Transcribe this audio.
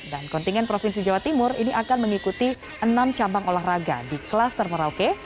dan kontingen provinsi jawa timur ini akan mengikuti enam cabang olahraga di klaster merauke